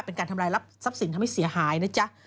เป็นการทำลายรับทรัพย์สินทำให้เสียหายนะจ๊ะ